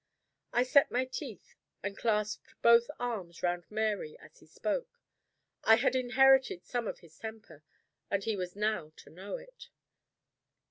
I set my teeth, and clasped both arms round Mary as he spoke. I had inherited some of his temper, and he was now to know it.